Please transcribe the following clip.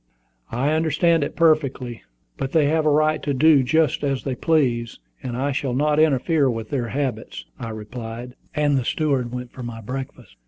"I understand it perfectly; but they have a right to do just as they please, and I shall not interfere with their habits," I replied; and the steward went for my breakfast.